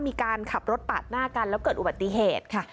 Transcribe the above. มีการขับรถปาดหน้ากันแล้วเกิดอุบัติเหตุค่ะ